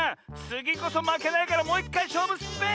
つぎこそまけないからもういっかいしょうぶすっぺ！